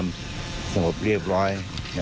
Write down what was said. ส่งออกเรียบร้อยนะครับ